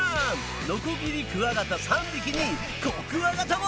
ノコギリクワガタ３匹にコクワガタも！